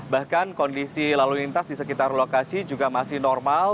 bahkan kondisi lalu lintas di sekitar lokasi juga masih normal